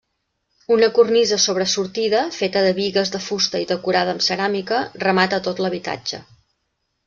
Una cornisa sobresortida, feta de bigues de fusta i decorada amb ceràmica, remata tot l'habitatge.